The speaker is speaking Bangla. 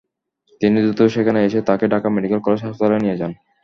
তিনি দ্রুত সেখানে এসে তাঁকে ঢাকা মেডিকেল কলেজ হাসপাতালে নিয়ে যান।